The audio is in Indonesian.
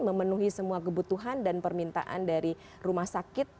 memenuhi semua kebutuhan dan permintaan dari rumah sakit